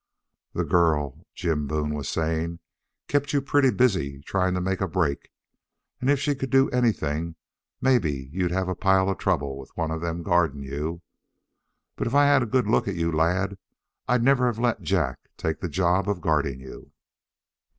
"The girl," Jim Boone was saying, "kept you pretty busy tryin' to make a break, and if she could do anything maybe you'd have a pile of trouble with one of them guardin' you. But if I'd had a good look at you, lad, I'd never have let Jack take the job of guardin' you."